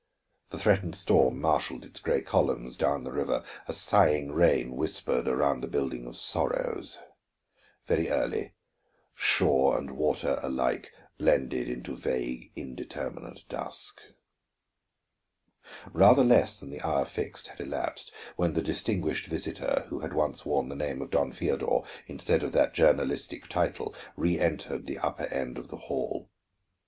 The threatened storm marshaled its gray columns down the river, a sighing rain whispered around the building of sorrows. Very early, shore and water alike blended into vague, indeterminate dusk. Rather less than the hour fixed had elapsed when the distinguished visitor, who had once worn the name of Don Feodor instead of that journalistic title, reëntered the upper end of the hall.